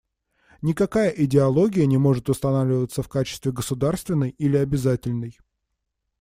Никакая идеология не может устанавливаться в качестве государственной или обязательной.